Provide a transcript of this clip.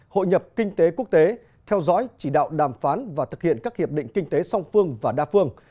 hội nhập kinh tế quốc tế theo dõi chỉ đạo đàm phán và thực hiện các hiệp định kinh tế song phương và đa phương